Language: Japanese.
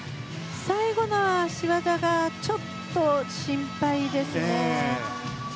最後の脚技がちょっと心配ですね。